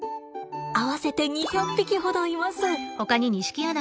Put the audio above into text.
合わせて２００匹ほどいます。